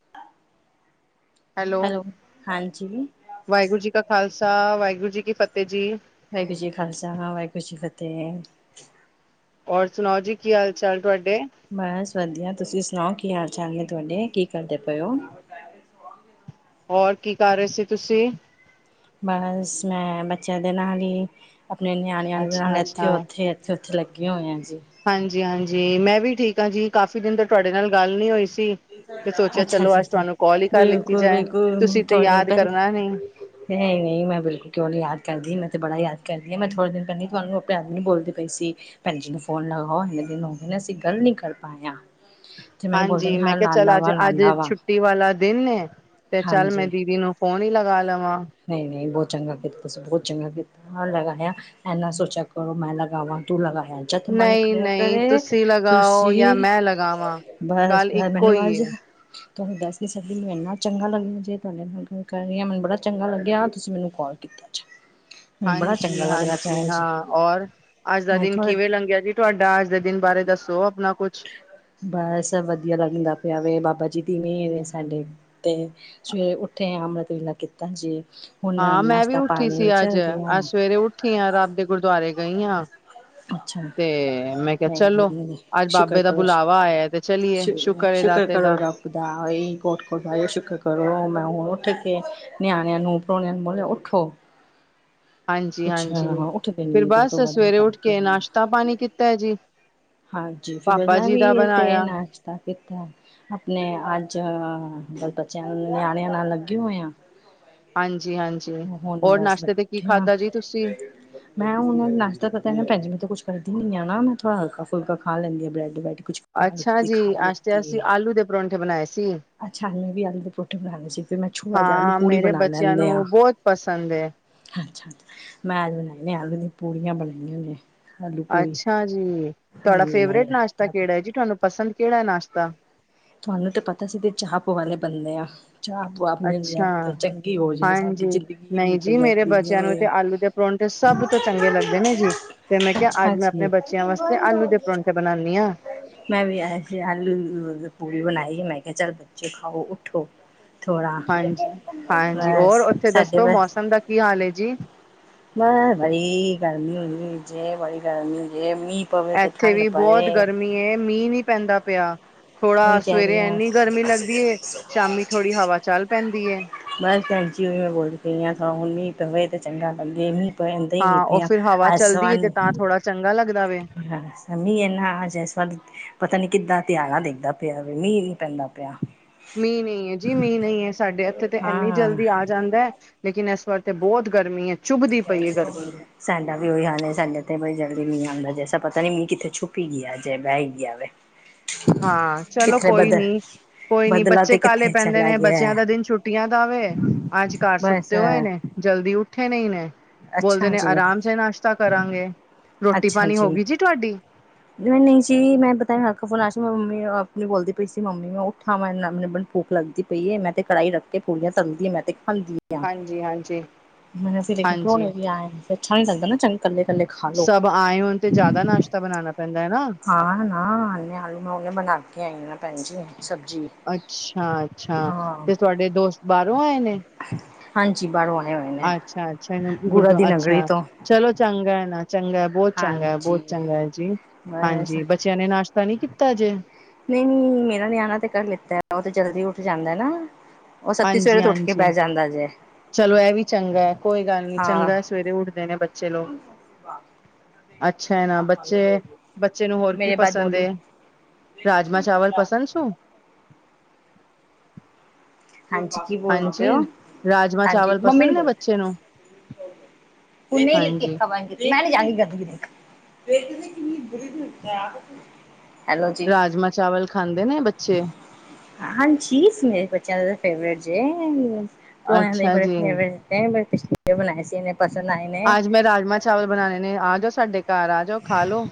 [unintelligible] Hello ਹਾਂਜੀ ਵਾਹਿਗੁਰੂ ਜੀ ਕਾ ਖ਼ਾਲਸਾ ਵਾਹਿਗੁਰੂ ਜੀ ਕੀ ਫਤਿਹ ਜੀ। ਵਾਹਿਗੁਰੂ ਜੀ ਖਾਲਸਾ ਵਾਹਿਗੁਰੂ ਜੀ ਫਤਿਹ ਹੋਰ ਸੁਣਾਓ ਜੀ, ਕੀ ਹਾਲ-ਚਾਲ ਤੁਹਾਡੇ? ਬਸ ਵਧੀਆ, ਤੁਸੀਂ ਸੁਣਾਓ ਕੀ ਹਾਲ-ਚਾਲ ਨੇ ਤੁਹਾਡੇ, ਕੀ ਕਰਦੇ ਪਏ ਹੋ? ਹੋਰ, ਕੀ ਕਰ ਰਹੇ ਸੀ, ਤੁਸੀਂ? ਬਸ ''ਮੈਂ ਬੱਚਿਆਂ ਦੇ ਨਾਲ ਹੀ, ਆਪਣੇ ਨਿਆਣਿਆਂ ਦੇ ਨਾਲ ਅੱਛਾ ਅੱਛਾ ਇੱਥੇ-ਉੱਥੇ ੱ ਉੱਥੇ ਲੱਗੀਆਂ ਹੋਈਆਂ ਜੀ। ਹਾਂਜੀ-ਹਾਂਜੀ, ਮੈਂ ਵੀ ਠੀਕ ਹਾਂ ਜੀ, ਕਾਫੀ ਦਿਨ ਤੋ ਤੁਹਾਡੇ ਨਾਲ ਗੱਲ ਨਹੀਂ ਹੋਈ ਸੀ। ਤੇ ਸੋਚਿਆ ਅੱਛਾ ਚਲੋ, ਜੀ ਅੱਜ ਜੀ ਤੁਹਾਨੂੰ ਕਾਲ ਹੀ ਕਰ ਲਿੱਤੀ ਬਿਲਕੁਲ ਜਾਏ। ਤੁਸੀਂ ਤੇ ਯਾਦ ਕਰਨਾ ਨਹੀਂ। ਨਹੀਂ-ਨਹੀਂ, ਮੈਂ ਬਿਲਕੁਲ ਕਿਉਂ ਨੀ ਯਾਦ ਕਰਦੀ, ਮੈਂ, ਤੇ ਬੜਾ ਯਾਦ ਕਰਦੀ ਆ, ਮੈਂ ਥੋੜੇ ਦਿਨ ਪਹਿਲੇ ਹੀ ਤੁਹਾਨੂੰ ਭੈਣੀ ਬੋਲਦੇ ਪਈ ਸੀ, ਭੈਣ ਜੀ ਨੂੰ ਫੋਨ ਲਗਾਓ ਇੰਨੇ ਦਿਨ ਹੋ ਗਦੇ ਨੇ, ਅਸੀਂ, ਗੱਲ ਨਹੀਂ ਕਰ ਪਾਂਏ ਆ। ਹ [inaudible] ਜੇ, ਮੈਨ ਬੋਲ 'ਮੈਂ ਕਿਹਾ ਚੱਲ, ਅੱਜ, ਅੱਜ ਛੁੱਟੀ ਵਾਲਾ ਦਿਨ ਏ, ਤੇ ਚੱਲ ਮੈਂ ਹਾਂਜੀ ਦੀਦੀ ਨੂੰ ਫੋਨ ਹੀ ਲਗਾ ਲਵਾਂ। ਨਹੀਂ-ਨਹੀਂ, ਬਹੁਤ ਚੰਗਾ ਕੀਤਾ ਤੁਸੀਂ, ਬਹੁਤ ਚੰਗਾ ਕੀਤਾ। ਹਾਂ ਲਗਾਇਆ, ਐ, ਨਾ ਸੋਚਿਆ ਕਰੋ ਮੈਂ ਲਗਾਵਾਂ, ਤੂੰ ਲਗਾਇਆ ਜੱਦ ਮਨ ਨਹੀਂ ਕਰਿਆ ਨਹੀਂ ਕਰੇ, ਤੁਸੀਂ ਲਗਾਓ ਜਾਂ ਤੁਸੀਂ, ਮੈਂ ਲਗਾਵਾਂ ਗੱਲ ਬਸ-ਬ ਇੱਕੋ ਮੈਨੂੰ ਹੀ ਏ ਅੱਜ ਥੋਨੂੰ ਦੱਸ ਨੀ ਸਕਦੀ, ਮੈਨੂੰ ਇੰਨਾ ਚੰਗਾ ਲੱਗਿਆ ਜੇ ਤੁਹਾਡੇ ਨਾਲ ਗੱਲ ਕਰ ਰਹੀ, ਮਨ ਬੜਾ ਚੰਗਾ ਲੱਗਿਆ, ਤੁਸੀਂ ਮੈਨੂੰ ਕੌਲ ਕੀਤੀ। ਹਾਂਜੀ, ਹਾਂਜੀ, ਹਾਂ, ਔਰ? ਅੱਜ ਦਾ ਮੈਂ ਦਿਨ ਥੋੜੇ ਕਿਵੇਂ ਲੰਘਿਆ ਜੀ ਤੁਹਾਡਾ? ਅੱਜ ਦੇ ਦਿਨ ਬਾਰੇ ਦੱਸੋ, ਆਪਨਾ ਕੁਛ? ਬਸ ਵਧੀਆ ਲੰਗਦਾ ਪਿਆ ਵੇ, ਬਾਬਾਜੀ ਦੀ ਮਿਹਰ ਏ ਸਾਡੇ ਤੇ ਸਵੇਰੇ ਉੱਠੇ ਆਂ, ਅਮ੍ਰਿਤ ਵੇਲਾ ਕੀਤਾ ਜੇ। ਹੁਣ ਹਾਂ, ਮੈਂ ਵੀ ਨਾਸ਼ਤਾ ਉੱਠੀ ਸੀ ਪਾਣੀ ਅੱਜ, ਚੱਲਦੇ ਆ ਅੱਜ ਸਵੇਰੇ ਉੱਠੀ ਹਾਂ, ਰੱਬ ਦੇ ਗੁਰਦੁਆਰੇ ਗਈ ਹਾਂ ਅੱਛਾ ਤੇ, ਮੈਂ ਕਿਹਾ ਚੱਲੋ, ਅੱਜ ਸ਼ੁਕਰ ਬਾਬੇ ਦਾ ਕਰੋ ਬੁਲਾਵਾ ਆਇਆ ਤੇ ਚਲੀਏ। ਸ਼ੁਕਰ ਏ ਦਾਤੇ ਦਾ। ਦਾਈ ਕੋਟ-ਕੋਟ ਸ਼ੁੱਕਰ ਕਰੋ, ਮੈਂ ਹੁਣ ਉੱਠ ਕੇ, ਨਿਆਣਿਆਂ ਨੂੰ ਪ੍ਰੋਣਿਆਂ ਨੂੰ ਬੋਲਿਆ ਉੱਠੋ। ਕੁਛ ਹਾਂਜੀ-ਹਾਂਜੀ, ਉੱਠਦੇ ਫਿਰ, ਨੀ ਦੋ ਬਸ ਤੋਂ ਵੱਧ ਸਵੇਰੇ ਉੱਠ ਤੱਕ ਕੇ, ਨਾਸ਼ਤਾ ਪਾਣੀ ਕੀਤਾ ਜੀ। ਹਾਂਜੀ, ਪਾਪਾ ਵਧਨਾ ਜੀ ਵੀ ਦਾ ਤੇ ਬਣਾਇਆ ਨਾਚ ਤ ਕੀਤਾ ਆਪਣੇ ਅੱਜ ਬ ਬੱਚਿਆਂ, ਨਿਆਣਿਆਂ ਨਾਲ ਲੱਗੇ ਹੋਏ ਆਂ। ਹਾਂਜੀ-ਹਾਂਜੀ, ਹੋਰ ਬਸ ਨਾਸ਼ਤੇ ਤੇ ਕੀ ਬੈਠੇ ਆ ਖਾਧਾ ਜੀ, ਤੁਸੀਂ? ਮੈਂ ਹੁਣ, ਨਾਸ਼ਤਾ ਪਤਾ ਮੈਂ, ਭੈਣਜੀ ਤੋਂ ਕੁਛ ਕਰਦੀ ਨੀ, ਆ ਨਾ, ਮੈਂ, ਥੋੜਾ ਹਲਕਾ- ਫੁਲਕਾ ਖਾ ਲੈਂਦੀ ਆ, ਬ੍ਰੈਡ-ਬੈਡ ਕੁਛ ਖਾ ਅੱਛਾ ਲੈਂਦੀ ਜੀ। ਖਾ ਆਜ ਤੇ ਅਸੀਂ ਆਲੂ ਦੇ ਪਰੌਂਠੇ ਬਣਾਏ ਸੀ। ਅੱਛਾਨੇ ਵੀ ਆਲੂ ਦੀ ਰੋਟੀ ਬਣਾਂਣੇ ਸੀ, ਫਿਰ ਮੈਂ ਛੋੜਾ ਜਿਹਾ ਹਾਂ ਆਲੂ-ਪੂੜੀ ਮੇਰੇ ਬਣਾ ਬੱਚਿਆਂ ਲੈਂਨੇ ਹਾਂ। ਨੂੰ ਬਹੁਤ ਪਸੰਦ ਏ। ਅੱਛਾ ਮੈ, ਆਲ, ਆਲੂ ਦੀ ਪੂੜੀਆਂ ਬਣਾਈਆਂ ਨੇ। ਆਲੂ ਪੂੜੀ ਅੱਛਾ ਜੀ। ਤੁਹਾਡਾ ਹਾਂਜੀ ਨਾਲ ਫੇਵਰੇਟ ਨਾਸ਼ਤਾ ਕਿਹੜਾ ਜੀ? ਤੁਹਾਨੂੰ ਪਸੰਦ ਕਿਹੜਾ ਨਾਸ਼ਤਾ? ਤੁਹਾਨੂੰ ਤੇ ਪਤਾ ਸੀ। ਤੇ ਚਾਹ, ਪ ਵਾਲੇ ਬੰਦੇ ਆ। ਚਾਹ ਤੂਆ ਮਿਲ ਜਾਏ। ਅੱਛਾ ਤਾਂ ਚੰਗੀ ਹੋ ਜਾਏ, ਹਾਂਜੀ ਸਾਡੀ ਜ਼ਿੰਦਗੀ, ਇੰਨੀ ਨਹੀਂ ਜੀ ਮੇਰੇ ਭਚਾਦੀ ਬੱਚਿਆਂ ਪਈ ਨੂੰ ਤੇ ਹੈ। ਆਲੂ ਦੇ ਪਰੌਂਠੇ ਸਭ ਤੋਂ ਚੰਗੇ ਲੱਗਦੇ ਨੇ ਜੀ, ਤੇ, ਮੈਂ ਕਿਹਾ ਅੱਛਾ ਅੱਜ ਮੈਂ ਆਪਣੇ ਜੀ ਬੱਚਿਆਂ ਵਾਸਤੇ ਆਲੂ ਦੇ ਪਰੌਠੇ ਬਣਾਂਨੀ ਆਂ ਮੈਂ ਵੀ ਆਜ ਆਲੂ, ਪੂੜੀ ਬਣਾਈ, ਮੈਂ ਕਿਹਾ ਚੱਲ ਬੱਚੇ, ਖਾਓ ਉੱਠੋ। ਥੋੜਾ, ਹਾਂਜੀ ਹਾਂਜੀ ਬਸ, ਔਰ ਉੱਥੇ ਸਾਡੇ ਦੱਸੋ ਬਸ ਮੌਸਮ ਦਾ ਕੀ ਹਾਲ ਹੈ ਜੀ ਮ ਭਾਈ ਗਰਮੀ ਜੇ, ਬੜੀ ਗਰਮੀ ਜੇ, ਮੀਂ ਪਵੇ ਤਾਂ, ਠੰਡ ਪਏ। ਈਏ, ਮੀਂਹ ਨੀ ਪੈਂਦਾ ਪਿਆ। ਥੋੜ੍ਹਾ, ਉਹੀ ਕਹਿ ਸਵੇਰੇ ਰਹੀ ਹਾਂ ਐਨੀ ਗਰਮੀ ਲੱਗਦੀ ਏ, ਸ਼ਾਮੀ ਥੋੜੀ ਹਵਾ ਚੱਲ ਪੈਂਦੀ ਏ। ਬਸ ਭੈਣਜੀ, ਵੀ ਮੈਂ ਬੋਲਦੀ ਪਈ ਆ। ਹਾਂਾ ਹੁਣੀ ਪਵੇ ਤਾਂ ਚੰਗਾ ਲੱਗਗੇਿਆ ਮੀ। ਪੈਂਦਾ ਹੀ, ਨੀ ਹਾਂ ਉਹ ਪੈਂਦਾ। ਫਿਰ ਹਵਾ ਚੱਲਦੀ ਏ ਅਸਮਾਨ। ਤੇ ਤਾਂ ਥੋੜਾ ਚੰਗਾ, ਲੱਗਦਾ। ਵੇ ਹਾਂ ਮੀਂ ਇਨਾ ਆ ਜਾਏ ਸਨ। ਪਤਾ ਨੀ ਕਿੱਦਾਂ ਤਿਆੜਾ ਦੇਖਦਾ ਪਿਆ ਵੇ। ਮੀਂਹ ਨਹੀਂ, ਪੈਂਦਾ ਪਿਆ। ਮੀਂਹ ਨਹੀਂ ਹੈ ਜੀ, ਮੀਂਹ ਨਹੀਂ ਹੈ। ਸਾਡੇ ਇੱਥੇ ਤੇ ਐੰਨੀ ਹਾਂ। ਜਲਦੀ ਆ। ਜਾਂਦਾ ਹੈ। ਲੇਕਿਨ ਇਸ ਵਾਰ, ਤੇ ਬਹੁਤ ਗਰਮੀ ਹੈ। ਚੁੱਭਦੀ ੜ ਪਈ ਹੈ ਗਰਮੀ [unintelligible] ਸਾਡਾ ਵੀ ਔਹੀ ਹਾਲ ਏ। ਸਾਡੇ ਤੇਈ ਜਲਦੀ ਮੀ ਆਉਂਦਾ, ਜੇਸ ਪਤਾ ਨੀ। ਮੀ ਕਿੱਥੇ ੁੱਪ ਹੀ, ਗਿਆ ਜੇ। ਬਹਿ ਹੀ ਗਿਆ ਵੇ। ਹਾਂ। ਚਲੋ ਕਿੱਥੇ ਕੋਈ ਬਦਲ ਨੀ। ਕੋਈ ਨੀ। ਬਦਲਾ ਬੱਚੇ ਤੇ ਕਾਲੇ, ਕਿੱਥੇ ਪੈਂਦੇ ਚਲਾ ਨੇ, ਗਿਆ ਬੱਚਿਆਂ ਦਾ ਦਿਨ ਛੁੱਟੀਆਂ ਦਾ ਆਵੇ। ਅੱਜ ਘਾਰ ਬਸ ਸੁੱਤੇ ਹੋਏ ਨੇ, ਜਲਦੀ ਉੱਠੇ ਨਹੀਂ ਨੇ। ਬੋਲਦੇ ਅੱਛਾ ਨੇ ਜੀ। ਆਰਾਮ ਚ, ਨਾਸ਼ਤਾ ਕਰਾਂਗੇ। ਰੋਟੀ- ਪਾਣੀ ਹੋ ਗਈ, ਜੀ ਤੁਹਾਡੀ? ਮੈਂ ਨਹੀਂ ਸੀ। ਮੈਂ ਪਤਾ ਰਾਤ ਮੈਂ ਫੋਨ ਆਆ ਸੀ, ਮੰਮੀ ਆਪਣੀ ਬੋਲਦੀ ਪਈ ਸੀ। ਮੰਮੀ ਮੈਂ ਉਹ। ਥਾਵਾ ਐਨ ਨਾਲ, ਭੂਕ ਲੱਗਦੀ ਪਈਏ। ਮੈਂ ਤੇ ਕੜਹੀ ਰੱਖ ਕੇ, ਪੂੜੀਆਂ ਤਲਦੀ। ਮੈਂ ਤੇ ਖਾਂਦੀ। ਆ। ਹਾਂਜੀ- ਹਾਂਜੀ, ਹਾਂਜੀ। ਛਾ ਨੀ, ਲੱਗਦਾ ਨਾ, ਚੰਗਾ। ਇਕੱਲੇ ਕੱਲੇ ਖਾਓ। ਸਭ ਆਏ ਹੋਣ ਤੇ, ਜ਼ਿਆਦਾ ਨਾਸ਼ਤਾ ਬਣਾਉਣਾ ਪੈਂਦਾ ਹੈ, ਨਾ। ਹਾਂ, ਨਾ ਆਲੂ ਮੈਂ ਉਹਨੇ ਬਣਾ ਕੇ ਆਈ ਹਾਂ। ਪੰਜੀ, ਸਬਜ਼ੀ। ਅੱਛਾ- ਅੱਛਾ, ਹਾਂ। ਤੇ ਤੁਹਾਡੇ ਦੋਸਤ, ਬਾਹਰੋਂ ਆਏ ਨੇ? ਹਾਂਜੀ। ਬਾਹਰੋਂ ਆਣੇ, ਹੋਏ ਨੇ। ਅੱਛਾਗਲ ਗੁੜਾ ਤੋਂ, ਦੀ ਨਗਰੀ ਅੱਛਾ। ਤੋਂ ਚਲੋ ਚੰਗਾ ਨਾ ਚੰਗਾ। ਬਹੁਤ ਚੰਗਾ ਹੈ, ਬਹੁਤ ਹਾਂਜੀ। ਚੰਗਾ ਹੈ, ਜੀ। ਬਸ ਹਾਂਜੀ। ਬੱਚਿਆਂ ਨੇ ਨਾਸ਼ਤਾ ਨੀ ਕੀਤਾ ਜੇ? ਨਹੀਂ- ਨਹੀਂ, ਮੇਰਾ ਨਿਆਣਾ ਤੇ, ਕਰ ਲਿੱਤਾ। ਉਹ ਤੇ ਜਲਦੀ, ਉੱਠ ਜਾਂਦਾ ਨਾ। ਉਹ ਸੱਤੀ ਹਾਂਜੀ- ਸਵੇਰੇ ਤੋਂ ਉੱਠ ਕੇ ਹਾਂਜੀ, ਬਹਿ ਜਾਂਦਾ ਜੇ ਚਲੋ ਇਹ ਵੀ ਚੰਗਾ ਹੈ। ਕੋਈ ਗੱਲ ਨੀ, ਹਾਂ ਚੰਗਾ। ਸਵੇਰੇ ਉੱਠਦੇ, ਨੇ ਬੱਚੇ ਲੋਕ। ਅੱਛਾ, ਹੈ ਨਾ ਬੱਚੇ। ਬੱਚੇ ਨੂੰ ਹੋਰ ਕੀ ਮੇਰੇ ਬਾਅਦ ਪਸੰਦ ਮੋਲੂ ਏ? ਰਾਜਮਾ, ਚਾਵਲ ਪਸੰਦ ਸ਼ੂ? ਹਾਂਜੀ, ਕੀ ਬੋਲਦੇ ਪਏ ਹਾਂਜੀ ਹੋ। ਰਾਜਮਾਂ ਹਾਂਜੀ, ਚਾਵਲ ਮੰਮੀ ਪਸੰਦ ਨੂੰ ਨੇ ਬੋਲੋ। ਬੱਚੇ ਨੂੰ? ਹਨੇ ਕੇ ਹਾਂਜੀ ਖਾਾਂ [unintelligible] ਮੈਂ ਨੀ ਜਾ ਰਹੀ [unintelligible] ਗੀ ਗਦਗੀ ਦੇ ਰਾਜਮਾ- ਚਾਵਲ ਖਾਂਦੇ ਨੇ, ਬੱਚੇ? ਹਰ ਚੀਜ਼, ਮੇਰੇ ਬੱਚਿਆਂ ਦਾ, ਫੇਵਰੇਟ ਜੇ। ਅੱਛਾ ਜੀ ਬਿਸ ਬਣਾਈ ਸੀਨ [unintelligible] ਪਸੰਨ ਆਏ ਨੇ। ਆਜ ਮੈਂ ਰਾਜਮਾਂ- ਚਾਵਲ ਬਣਾਉਣੇ ਨੇ। ਆ ਜਾਓ ਸਾਡੇ ਘਰ, ਆ ਜਾਓ ਖਾ ਲੋ।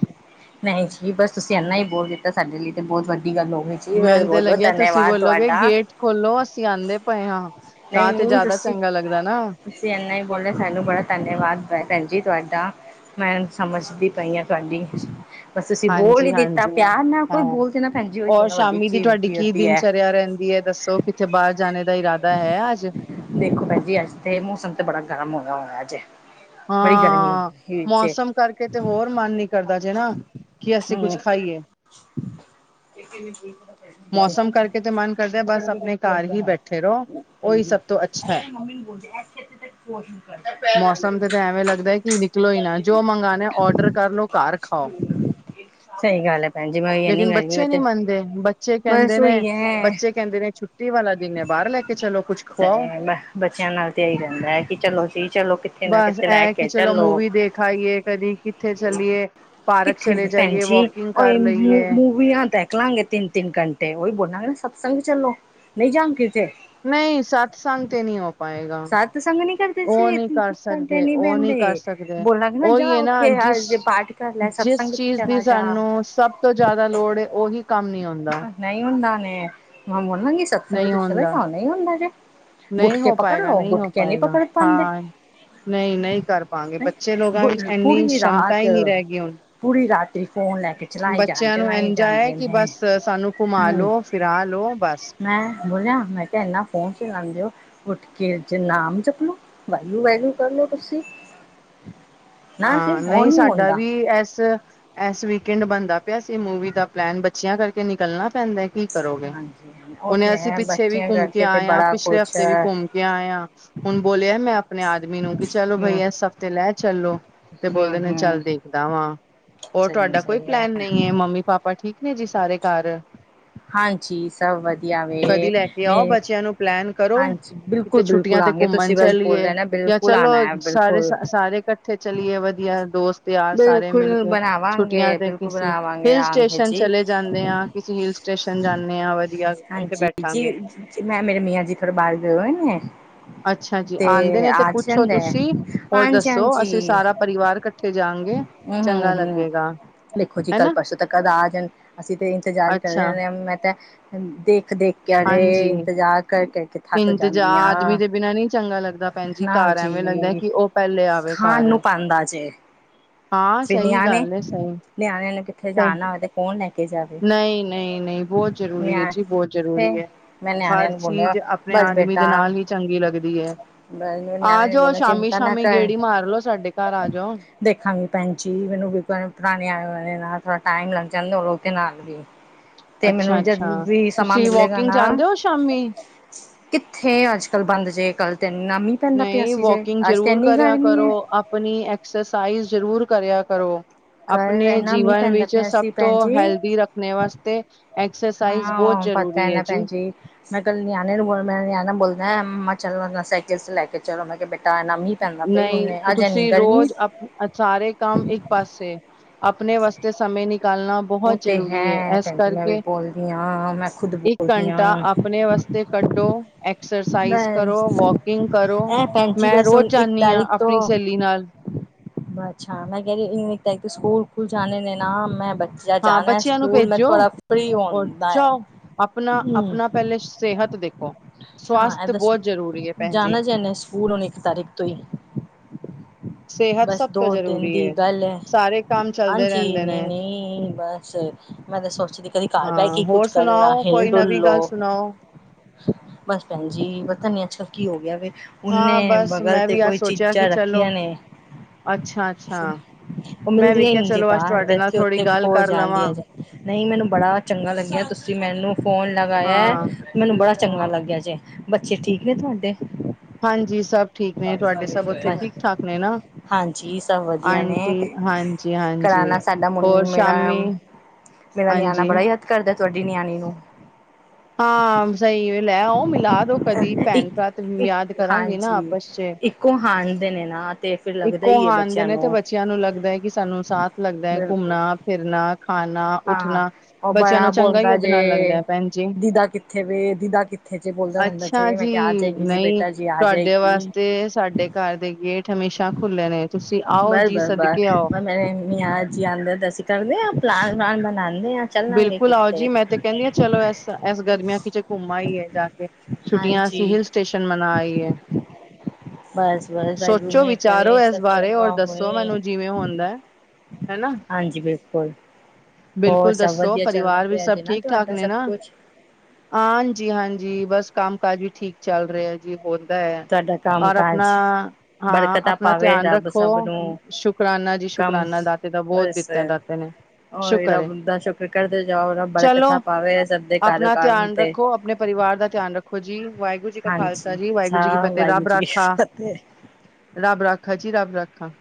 ਨਹੀਂ ਜੀ ਬਸ ਤੁਸੀਂ ਇੰਨਾ ਹੀ ਬੋਲ ਦਿੱਤਾ ਸਾਡੇ ਲਈ ਤੇ ਬਹੁਤ ਵੱਡੀ ਗੱਲ ਹੋ ਗਈ। ਜੀ ਮੈਨੂੰ ਤੇ ਬਹੁਤ-ਬਹੁਤ ਲੱਗਿਆ ਤੁਸੀਂ ਧੰਨਵਾਦ ਬੋਲੋਗੇ ਤੁਹਾਡਾ। ਗੇਟ ਖੋਲੋ ਅਸੀਂ ਆਉਂਦੇ ਪਏ ਹਾਂ ਤਾਂ ਨਹੀਂ ਤੇ ਨਹੀਂ ਜ਼ਿਆਦਾ ਤੁਸੀਂ ਚੰਗਾ ਲੱਗਦਾ ਨਾ ਤੁਸੀਂ ਇਨਾ ਬੋਲਿਆ ਸਾਨੂੰ ਬੜਾ ਧੰਨਵਾਦ ਭੈਣ ਜੀ ਤੁਹਾਡਾ ਮੈਂ ਸਮਝਦੀ ਪਈ ਹਾਂ ਤੁਹਾਡੀ ਬਸ ਤੁਸੀਂ ਬੋਲ ਹੀ ਦਿੱਤਾ। ਹਾਂਜੀ-ਹਾਂਜੀ ਪਿਆਰ ਨਾਲ ਕੋਈ, ਹਾਂ। ਬੋਲਦੇ ਨਾ, ਭੈਣ ਜੀ। ਉਹੀ ਔਰ ਸਬਤੋ ਵੱਡੀ ਸ਼ਾਮੀ ਦੀ ਚੀਜ਼ ਤੁਹਾਡੀ ਕੀ ਉਹਦੀ ਹੈ। ਦਿਨਚਰਿਆ ਰਹਿੰਦੀ ਹੈ ਦੱਸੋ? ਕਿੱਥੇ ਬਾਹਰ ਜਾਣੇ ਦਾ ਇਰਾਦਾ ਹੈ ਅੱਜ? ਦੇਖੋ ਭੈਜੀ, ਅੱਜ ਤੇ, ਮੌਸਮ ਤੇ ਬੜਾ ਗਰਮ ਹੋਇਆ- ਹੋਇਆ ਅੱਜੇ। ਹਾਂ। ਮੌਸਮ ਕਰਕੇ ਤੇ, ਹੋਰ ਮਨ ਨੀ ਕਰਦਾ ਜੇ ਨਾ। ਕੀ ਅਸੀਂ, ਕੁੱਝ ਖਾਈਏ। ਕਿ [unintelligible] ਮੌਸਮ ਕਰਕੇ ਤੇ, ਮਨ ਕਰਦਾ ਏ, ਬਸ ਆਪਣੇ ਘਰ ਹੀ, ਬੈਠੇ ਰਹੋ। ਉਹੀ ਸਭ ਤੋਂ ਅੱਛਾ ਹੈ। ਔ ਵੀ ਨੀ ਬੋਲਦੀ। ਦਾ ਪੈ ਮੌਸਮ ਤੇ ਤਾਂ ਐਵੇਂ ਲੱਗਦਾ ਹੈ ਕਿ ਨਿਕਲੋ ਹੀ ਨਾ ਜੋ ਮੰਗਵਾਉਣਾ ਔਡਰ ਕਰ ਲੋ ਘਰ ਖਾਓ [unintelligible] ਸਹੀ ਗੱਲ ਹੈ। ਭੈਣ ਜੀ, ਮੈਂ ਇਨੀ ਲੇਕਿਨ ਗੱਲ ਬੱਚੇ ਤੇ ਨਹੀਂ ਮੰਨਦੇ ਬੱਚੇ ਕਹਿੰਦੇ ਬਸ ਨੇ, ਉਹੀ ਹੈ ਬੱਚੇ ਕਹਿੰਦੇ ਨੇ, ਛੁੱਟੀ ਵਾਲਾ ਦਿਨ ਹੈ। ਬਾਹਰ ਲੈ ਕੇ, ਚਲੋ ਕੁੱਛ। ਖਵਾਓ ਬੱਚਿਆਂ ਨਾਲ ਤਾਂ ਇਹੀ ਹੀ ਰਹਿੰਦਾ ਹੈ ਕਿ ਚਲੋ ਜੀ ਚਲੋ ਕਿੱਥੇ ਨਾ ਬਸ ਕਿੱਥੇ ਲੈ ਇਹ ਕਿ ਕੇ ਚਲੋ ਮੂਵੀ ਦੇਖ ਆਈਏ, ਕਦੀ ਕਿੱਥੇ ਚੱਲੀਏ, ਪਾਰਕ ਚਲੇ ਜਾਈਏ ਵੋਕ ਮੂੰਵੀ ਹਦਾ ਨਿਕਲਾਂਗੇ ਤਿੰਨ- ਤਿੰਨ ਘੰਟੇ ਉਹੀ ਬੋਲਾਂਗੇ ਸਤਸੰਗ ਚੱਲੋ ਨਹੀਂ ਜਾਣ ਕਿਥੇ ਨਹੀਂ ਸਤ ਸਤਸੰਗ ਤੇ ਨਹੀ ਹੋ ਪਾਏਗਾ ਸਤ ਸੰਗ ਨੀ ਕਰਦੇ ਉਹ ਸੀ ਨਹੀ ਤਿੰਨ ਕਰ ਤਿੰਨ ਘੰਟੇ ਸਕਦੇ, ਨੀ ਉਹ ਨਹੀ ਕਰ ਬਹਿੰਦੇ ਸਕਦੇ ਹੈ, ਬੋਲਾਂਗੇ ਨਾ ਜਾ ਉਹੀ ਹੈ ਨਾ ਉੱਥੇ ਜਿਸ, ਜੇ ਪਾਠ ਕਰ ਲੈ ਜਿਸ ਸਤਸੰਗ ਤੇ ਚੀਜ਼ ਦੀ ਚਲਾ ਜਾ ਸਾਨੂੰ ਸਭ ਤੋਂ ਜ਼ਿਆਦਾ ਲੋੜ ਉਹੀ ਕੰਮ ਨੀ ਆਉਂਦਾ ਨਹੀਂ ਹੁੰਦਾ ਨੇ ਮੈਂ ਬੋਲਾਂਗੀ ਸਤਸੰਗ ਨਹੀਂ ਚਲ ਹੁੰਦਾ ਚਉਦਾ ਹੁੰਦਾ ਜੇ ਨਹੀਂ ਗੁਟਕੇ ਹੋ ਪਕੜ ਪਾਏਗਾ, ਲਓ ਨਹੀਂ ਹੋ ਗੁਟਕੇ ਪਾਏਗਾ ਪਕੜ ਪਾਉਂਦੇ ਹਾਂ ਨਹੀਂ ਨਹੀਂ ਕਰ ਪਾਗੇ ਬੱਚੇ ਲੋਕਾਂ ਵਿੱਚ ਐੰਨੀ ਪੂਰੀ ਸਮਤਾ ਹੀ ਨਹੀਂ ਰਾਤ ਰਹਿ ਗਈ ਹੁਣ ਪੂਰੀ ਰਾਤਰੀ ਫੋਨ ਲੈ ਕੇ ਚਲਾਏ ਜਾਣ ਬੱਚਿਆਂ ਨੂੰ ਚਲਾਏ ਇੰਝਾ ਹੈ ਜਾਂਦੇ ਕਿ ਨੇ ਬਸ ਸਾਨੂੰ ਘੁਮਾ ਹੂੰ ਲੋ। ਫਿਰ ਆ ਲਓ ਬਸ ਮੈਂ ਬੋਲਿਆ ਮੈਂ ਕਿਹਾ ਇੰਨਾ ਫੋਨ ਲਉਦੇਓ ਉੱਠ ਕੇ ਜੇ ਨਾਮ ਚਪਲੋ ਵਾਹਿਗੂਰੂ- ਵਾਹਿਗੂਰੂ ਕਰਲੋ ਤੁਸੀ ਹਾਂ ਨਹੀਂ ਸਾਡਾ ਵੀ ਇਸ ਇਸ ਵੀਕਐਂਡ ਬਣਦਾ ਪਿਆ ਸੀ ਮੂਵੀ ਦਾ ਪਲੈਨ ਬੱਚਿਆਂ ਕਰਕੇ ਨਿਕਲਣਾ ਪੈਂਦਾ ਕਿ ਕਰੋਗੇ ਹਾਂਜੀ ਉਹ ਉਹਨੇ ਤੇ ਅਸੀਂ ਹੈ ਪਿੱਛੇ ਵੀ ਬੱਚਿਆਂ ਘੁੰਮ ਕੇ ਕਰਕੇ ਤੇ ਆਏ ਹਾਂ, ਬੜਾ ਪਿਛਲੇ ਕੁਛ ਹਫ਼ਤੇ ਵੀ ਹੈ ਘੁੰਮ ਕਿ ਆਆ ਹੁਣ ਬੋਲਿਆ ਮੈਂ ਆਪਣੇ ਆਦਮੀ ਨੂੰ ਕਿ ਚਲੋ ਬਈ ਹੂੰ ਇਸ ਹਫ਼ਤੇ ਲੈ ਚੱਲੋ ਤੇ ਬੋਲਦੇ ਹੂੰ ਨੇ ਹੂੰ ਚੱਲਦੇ ਦਾਵਾਂ ਹੋਰ ਸਹੀ ਹੈ ਤੁਹਾਡਾ ਕੋਈ ਸਹੀ ਹੈ ਪਲੈਨ ਨਹੀਂ ਹੈ ਮੰਮੀ ਪਾਪਾ ਠੀਕ ਨੇ ਜੀ ਸਾਰੇ ਘਰ ਹਾਂਜੀ ਸਭ ਵਧੀਆ ਵੇ ਕਦੀ ਲੈ ਕੇ ਮੇ ਆਓ ਬੱਚਿਆਂ ਨੂੰ ਪਲੈਨ ਕਰੋ ਹਾਂਜੀ ਕਿਤੇ ਬਿਲਕੁਲ ਬਿਲਕੁਲ ਛੁੱਟੀਆਂ ਤੇ ਆਂਗੇ ਘੁੰਮਣ ਤੁਸੀਂ ਬਸ ਬੋਲ ਚਲੀਏ ਦੇਣਾ ਜਾਂ ਬਿਲਕੁਲ ਚਲੋ ਆਣਾ ਹੈ ਸਾਰੇ ਬਿਲਕੁਲ ਸਾਰੇ ਇਕੱਠੇ ਚ ਵਧੀਆ ਦੋਸਤ ਯਾਰ ਸਾਰੇ ਮਿਲ ਬਿਲਕੁਲ ਕੇ ਛੁੱਟੀਆਂ ਬਣਾਵਾਂਗੇ ਤੇ ਬਿਲਕੁਲ ਕਿਸੇ ਬਣਾਵਾਂਗੇ ਹਿਲ ਆਂਗੇ ਸਟੇਸ਼ਨ ਜੀ ਚਲੇ ਜਾਂਦੇ ਜਾਂਦੇ ਹਾਂ ਕਿਸੀ ਹਿਲ ਸਟੇਸ਼ਨ ਜਾਂਦੇ ਹਾਂ ਵਧੀਆ ਉੱਥੇ ਹਾਂਜੀ ਬੈਠਾਂਗੇ ਜੀ ਮੈਂ ਮੇਰੇ ਮੀਆਂ ਜੀ ਥੋੜੇ ਬਾਹਰ ਗਏ ਹੋਏ ਨੇ ਅੱਛਾ ਜੀ, ਆਉਂਦੇ ਨੇ ਤੇ ਆ ਪੁੱਛੋ ਜਾਂਦੇ ਤੁਸੀਂ ਹੋਰ ਹਾਂਜੀ ਦੱਸੋ ਹਾਂਜੀ ਅਸੀਂ ਸਾਰਾ ਸਾਰੇ ਪਰਿਵਾਰ ਇਕੱਠੇ ਜਾਣਗੇ ਹਮ ਚੰਗਾ ਹਮ ਹਮ ਲੱਗੇਗਾ ਦੇਖੋ ਜੀ ਕੱਲ੍ਹ ਹਨਾ ਪਰਸੋਂ ਤੱਕ ਆ ਜਾਣ ਅਸੀਂ ਤੇ ਇੰਤਜ਼ਾਰ ਕਰ ਅੱਛਾ ਰਹੇ ਹਾਂ ਮੈਂ ਤਾਂ ਦੇਖ- ਦੇਖ ਕੇ ਅਰੇ ਹਾਂਜੀ ਇੰਤਜ਼ਾਰ ਕਰ ਕਰਕੇ ਥੱਕ ਇੰਤਜਾ ਜਾਂਦੀ ਆਦਮੀ ਹਾਂ ਦੇ ਬਿਨਾਂ ਨਹੀਂ ਚੰਗਾ ਲੱਗਦਾ ਭੈਣਜੀ ਨਾ ਘਰ ਐਵੇਂ ਲੱਗਦਾ ਜੀ ਕਿ ਉਹ ਪਹਿਲੇ ਆਵੇ ਖਾਣ ਘਰ ਨੂੰ ਪਾਉਂਦਾ ਜੇ ਹਾਂ ਫਿਰ ਸਹੀ ਨਿਆਣੇ ਗੱਲ ਹੈ ਸਹੀ ਨਿਆਣਿਆਂ ਨੂੰ ਕਿੱਥੇ ਸਹੀ ਜਾਣਾ ਹੋਵੇ ਤੇ ਕੌਣ ਲੈ ਕੇ ਜਾਵੇ ਨਹੀਂ- ਨਹੀਂ -ਨਹੀਂ ਬਹੁਤ ਜ ਜਰੂਰੀ ਹੈ ਨਿਆ ਜੀ ਬਹੁਤ ਫ ਜ਼ਰੂਰੀ ਹੈ, ਮੈਂ ਨਿਆਣਿਆਂ ਹਰ ਨੂੰ ਬੋਲਿਆ ਚੀਜ਼ ਆਪਣੇ ਬਸ ਆਦਮੀ ਦੇ ਬੇਟਾ ਨਾਲ ਹੀ ਚੰਗੀ ਲੱਗਦੀ ਹੈ ਨਿਆਣਿਆਂ ਆ ਨੂੰ ਜਾਓ ਬੋਲਿਆ ਸ਼ਾਮੀ- ਚਿੰਤਾ ਨਾ ਸ਼ਾਮੀ ਗੇੜੀ ਮਾਰ ਲੋੋ ਸਾਡੇ ਘਰ ਆ ਜਾਓ ਦੇਖਾਂਗੇ ਭੈਣ ਜੀ ਮੈਨੂੰ ਪੁਰਾਣੇ ਆ ਨਾਲ ਥੋੜਾ ਟਾਈਮ ਲੱਗ ਜਾਂ ਵੀ ਤੇ ਅੱਛਾ ਮੈਨੂੰ ਜਦ ਅੱਛਾ ਵੀ ਸਮਾਂ ਤੁਸੀਂ ਮਿਲੇਗਾ ਵੋਕਿੰਗ ਨਾ ਜਾਂਦੇ ਹੋ ਸ਼ਾਮੀ ਕਿੱਥੇ ਅੱਜ ਕੱਲ੍ਹ ਬੰਦ ਜੇ ਕੱਲ ਤਾਂ ਇਨਾ ਮੀਹ ਪੈਂਦਾ ਪਿਆ ਨਹੀਂ ਸੀ ਜੇ, ਵੋਕਿੰਗ ਅੱਜ ਤੇ ਜ਼ਰੂਰ ਇੰਨੀ ਕਰਿਆ ਗਰਮੀ ਹੈ ਕਰੋ, ਆਪਣੀ ਐਕਸਰਸਾਈਜ਼ ਜ਼ਰੂਰ ਕਰਿਆ ਕਰੋ ਕੱਲ ਆਪਣੇ ਇੰਨਾ ਮੀਂਹ ਜੀਵਨ ਪੈਂਦਾ ਵਿੱਚ ਪਿਆ ਸਭ ਸੀ ਤੋਂ ਭੈਣ ਜੀ ਹੈਲਦੀ ਰੱਖਣੇ ਵਾਸਤੇ ਐਕਸਰਸਾਈਜ਼ ਬਹੁਤ ਹਾਂ ਪਤਾ ਜਰੂਰੀ ਹੈ ਨਾ ਜੀ ਭੈਣ ਮੈਂ ਕੱਲ ਨਿਆਣੇ ਨੂੰ ਬੋਲ ਮੈਂ ਨਿਆਣਾ ਬੋਲਦਾ ਮੰਮਾ ਚਲੋ ਸਾਈਕਲ ਚ ਲੈ ਕੇ ਚਲੋ ਮੈਂ ਕਿਹਾ ਬੈਠਾ ਤਾਂ ਮੀਂਹ ਪੈਂਦਾ ਪਈ ਨਹੀਂ ਹਨੇ ਅੱਜ ਇਨੀ ਤੁਸੀਂ ਗਰਮੀ ਰੋਜ਼ ਆਪ ਸਾਰੇ ਕੰਮ ਇੱਕ ਪਾਸੇ, ਆਪਣੇ ਵਾਸਤੇ ਸਮੇਂ ਨਿਕਾਲਣਾ। ਉਹ ਬਹੁਤ ਤੇ ਜ਼ਰੂਰੀ ਏ ਹੈ ਇਸ ਭੈਣ ਜੀ ਮੈਂ ਵੀ ਕਰਕੇ, ਬੋਲਦੀ ਹਾਂ ਮੈਂ ਖੁਦ ਇੱਕ ਬੋਲਦੀ ਹਾਂ ਘੰਟਾ ਆਪਣੇ ਵਾਸਤੇ ਕੱਢੋ ਮੈਂ ਐਕਸਰਸਾਈਜ਼ ਕਰੋ, ਵਾਕਿੰਗ ਕਰੋ ਮੈਂ ਰੋਜ਼ ਜਾਂਦੀ ਹਾਂ ਤਾਰੀਖ ਆਪਣੀ ਤੋਂ ਸਹੇਲੀ ਨਾਲ, ਅੱਛਾ ਮੈਂ ਕਹਿ ਰਹੀ ਸਕੂਲ ਖੁਲ ਜਾਣੇ ਨੇ ਨਾ ਮੈਂ ਬੱਚ ਜਾਂ ਹਾਂ ਜਾਾਣਾ ਹੈ ਬੱਚਿਆਂ ਨੂੰ ਸਕੂਲ ਮੈਂ ਭੇਜੋ। ਥੋੜਾ ਫ੍ਰਰੀ ਹੁੰਦਾ ਹੈ ਹੂੰ। ਪਹਿਲੇ ਸਿਹਤ ਦੇਖੋ। ਹਾਂ ਇੱਦਾਂ, ਜਾਣਾ ਇੰਨੇ ਸਕੂਲ ਹੁਣ ਇੱਕ ਤਾਰੀਖ ਤੋਂ। [inaudible] ਬਸ ਸਭ ਦੋ ਤੋਂ ਦਿਨ ਜ਼ਰੂਰੀ ਦੀ ਗੱਲ ਹੈ, ਸਾਰੇ ਕੰਮ ਚੱਲਦੇ ਹਾਂਜੀ ਰਹਿੰਦੇ ਨੇ ਨਹੀਂ-ਨਹੀਂ ਬਸ। ਮੈਂ ਤਾਂ ਸੋਚਦੀ ਕਦੀ ਘਰ ਬਹਿ ਕੇ ਹਾਂ ਕੀ ਕੁੱਝ ਹੋਰ ਕਰਨਾ ਸੁਣਾਓ ਹਿਲ ਕੋਈ ਡੁਲ ਨਵੀਂ ਗੱਲ ਲੋ। ਸੁਣਾਓ। ਬਸ ਭੈਣ ਜੀ ਪਤਾ ਨੀ ਅੱਜਕੱਲ ਕੀ ਹੋ ਗਿਆ ਵੇ। ਉਨੇ ਹਾਂ ਬਸ ਬਗਲ ਮੈਂ 'ਤੇ ਵੀ ਅੱਜ ਕੋਈ ਸੋਚਿਆ ਕਿ ਚੀਜ਼ਾਂ ਚਲੋ ਰੱਖੀਆਂ ਨੇ। ਅੱਛਾ ਅੱਛਾ ਉਹ ਮੈਂ ਵੀ ਮਿਲਦੀਆਂ ਹੀ ਕਿਹਾ ਨਹੀਂ ਜੇ ਚਲੋ ਅੱਜ ਘਰ ਤੇ ਤੁਹਾਡੇ ਨਾਲ ਇਥੇ ਥੋੜ੍ਹੀ ਉੱਥੇ ਗੱਲ ਖੋ ਕਰ ਲਵਾਂ ਜਾਂਦੀਆਂ। ਨਹੀਂ ਮੈਨੂੰ ਬੜਾ ਚੰਗਾ ਲੱਗਿਆ ਤੁਸੀਂ ਮੈਨੂੰ ਫੋਨ ਲਗਾਇਆ ਹਾਂ। ਮੈਨੂੰ ਬੜਾ ਚੰਗਾ ਲੱਗਿਆ। ਬੱਚੇ ਠੀਕ ਨੇ ਤੁਹਾਡੇ? ਹਾਂਜੀ ਸਭ ਠੀਕ ਨੇ ਤੁਹਾਡੇ ਸਭ ਉੱਥੇ ਠੀਕ-ਠਾਕ ਨੇ ਨਾ? ਹਾਂਜੀ ਸਭ ਵਧੀਆ ਨੇ, ਆਂਟੀ ਹਾਂਜੀ ਹਾਂਜੀ ਕਰਾਣਾ ਸਾਡਾ ਮ ਹੋਰ ਮੇਰਾ ਸ਼ਾਮੀ ਮੇਰਾ ਨਿਆਣਾ ਹਾਂਜੀ ਬੜਾ ਯਾਦ ਕਰਦਾ ਤੁਹਾਡੀ ਨਿਆਣੀ ਨੂੰ। ਹਾਂ ਸਹੀ ਲੈ ਉਹ ਲੈ ਆਓ ਮਿਲਾ ਦੋ ਕਦੀ ਇੱਕ ਭੈਣ-ਭਰਾ ਤੇ ਇੱਕ ਯਾਦ ਕਰਾਂਗੇ ਨਾ ਹਾਂਜੀ ਆਪਸ ਚ। ਇੱਕੋ ਹਾਣ ਦੇ ਨੇ ਨਾ। ਤੇ ਫਿਰ ਲੱਗਦਾ ਇੱਕੋ ਹੀ ਹੈ ਹਾਣ ਦੇ ਬੱਚਿਆਂ ਨੇ ਤੇ ਬੱਚਿਆਂ ਨੂੰ ਲੱਗਦਾ ਹੈ ਕਿ ਸਾਨੂੰ ਸਾਥ ਲੱਗਦਾ ਹੈ ਬਿਲਕੁਲ ਘੁੰਮਣਾ ਫਿਰਨਾ। ਖਾਣਾ, ਹਾਂ ਉੱਠਣਾ ਉਹ ਬੱਚਿਆਂ ਨੂੰ ਬੜਾ ਚੰਗਾ ਹੀ ਬੋਲਦਾ ਉਹਦੇ ਜੇ ਨਾਲ ਲੱਗਦਾ ਹੈ ਭੈਣ ਜੀ। ਦੀਦਾ ਕਿੱਥੇ ਵੇ ਦੀਦਾ ਕਿੱਥੇ ਜੇ ਬੋਲਦਾ ਰਹਿੰਦਾ ਅੱਛਾ ਜੇ ਮੈਂ ਜੀ ਕਿਹਾ ਆ ਜਾਏਗੀ ਜੀ ਨਹੀਂ ਬੇਟਾ ਜੀ ਆ ਤੁਹਾਡੇ ਜਾਏਗੀ ਵਾਸਤੇ ਸਾਡੇ ਘਰ ਦੇ ਗੇਟ ਹਮੇਸ਼ਾ ਖੁੱਲੇ ਨੇ ਤੁਸੀਂ ਆਓ ਬਸ ਜੀ ਬਸ ਸਦਕੇ ਆਓ। ਬਸ ਮੇਰੇ ਮੀਆਂ ਜੀ ਆਂਦੇ ਨੇ ਅਸੀ ਕਰਦੇ ਆ ਪਲਾਨ ਪਾਨ ਬਣਾਉਂਦੇ ਆ। ਚੱਲਾਂਗੇ ਬਿਲਕੁਲ ਆਓ ਕਿੱਥੇ ਜੀ ਮੈਂ ਤੇ ਕਹਿੰਦੀ ਹਾਂ ਚਲੋ ਇਸ ਗਰਮੀਆਂ ਕਿਤੇ ਘੁੰਮ ਆਈਏ। ਜਾ ਕੇ, ਛੁੱਟੀਆਂ ਹਾਂਜੀ ਅਸੀਂ ਹਿਲ ਸਟੇਸ਼ਨ ਮਨਾ ਆਈਏ। ਬਸ ਬਸ ਵਾਹਿਗੁਰੂ ਸੋਚੋ ਮੇਹਰ ਵਿਚਾਰੋ ਕਰੇ ਇਸ ਸਭ ਬਾਰੇ ਔਰ ਚੰਗਾ ਦੱਸੋ ਹੋਏ ਮੈਨੂੰ ਜਿਵੇਂ ਹੁੰਦਾ। ਹਨਾ ਹਾਂਜੀ ਬਿਲਕੁਲ। ਹੋਰ ਕੁਲ ਸਭ ਦੱਸੋ ਵਧੀਆ ਚੱਲਦਾ ਪਰਿਵਾਰ ਵੀ ਪਿਆ ਸਭ ਜੇ ਨਾ ਠੀਕ-ਠਾਕ ਤੁਹਾਡਾ ਨੇ ਸਭ ਨਾ? ਕੁਛ ਹਾਂਜੀ-ਹਾਂਜੀ ਬਸ ਕੰਮ ਕਾਜ ਵੀ ਠੀਕ ਚੱਲ ਰਿਹਾ। ਜੀ ਹੋਤਾ ਹੈ, ਤੁਹਾਡਾ ਕੰਮ ਔਰ ਆਪਣਾ ਕਾਜ ਹਾਂ ਬਰਕਤਾਂ ਆਪਣਾ ਪਾਵੇ ਧਿਆਨ ਰੱਬ ਰੱਖੋ। ਸਭ ਨੂੰ ਸ਼ੁਕਰਾਨਾ ਜੀ ਕੰਮ ਸ਼ੁਕਰਾਨਾ ਦਾਤੇ ਦਾ ਬਹੁਤ ਦਿੱਤਾ ਦਾਤੇ ਨੇ। ਉਹ ਸ਼ੁਕਰ ਹੈ ਰੱਬ ਦਾ ਸ਼ੁਕਰ ਕਰਦੇ ਜਾਵੋ ਚਲੋ ਬਰਕਤਾ ਪਾਵੇ ਸਭ ਦੇ ਘਰ ਆਪਣਾ ਕੰਮ ਧਿਆਨ ਤੇ। ਰੱਖੋ ਆਪਣੇ ਪਰਿਵਾਰ ਦਾ ਧਿਆਨ ਰੱਖ ਖੋ ਜੀ, ਵਾਹਿਗੁਰੂ ਜੀ ਕਾ ਖਾਲਸਾ ਹਾਂਜੀ ਜੀ ਵਾਹਿਗੁਰੂ ਸਾ ਜੀ ਕੀ ਫਤਿਹ ਵਾਹਿਗੁਰੂ ਰੱਬ ਜੀ ਕੀ ਰਾਖਾ। ਫਤਿਹ ਰੱਬ ਰਾਖਾ ਜੀ ਰੱਬ ਰਾਖਾ।